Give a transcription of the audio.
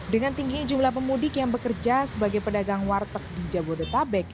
dengan tingginya jumlah pemudik yang bekerja sebagai pedagang warteg di jabodetabek